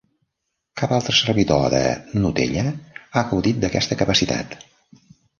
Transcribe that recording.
Cap altre servidor de gnutella ha gaudit d'aquesta capacitat.